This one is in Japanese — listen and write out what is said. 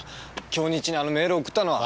京日にあのメールを送ったのは。